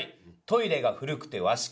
「トイレが古くて和式」。